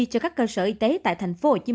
cho các cơ sở y tế tại tp hcm